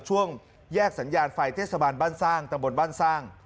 ช่วงแยกสัญญาณไฟเทศบาลบ้านสร้างตำบลบ้านสร้าง